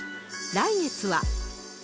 来月は。